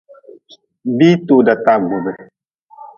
Biihi toda taa gbub.